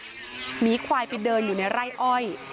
หมีควายไปเดินอยู่ในไร่อ้อย